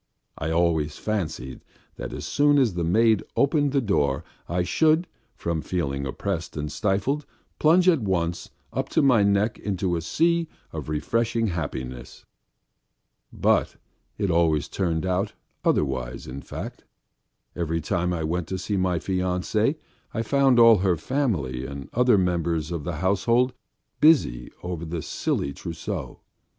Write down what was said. I always fancied that as soon as the maid opened the door I should, from feeling oppressed and stifled, plunge at once up to my neck into a sea of refreshing happiness. But it always turned out otherwise in fact. Every time I went to see my fiancée I found all her family and other members of the household busy over the silly trousseau.